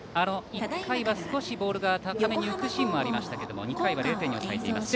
１回は少しボールが高めに浮くシーンもありましたが２回は０点に抑えています。